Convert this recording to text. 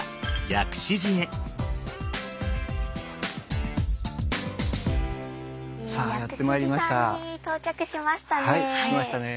薬師寺さんに到着しましたね。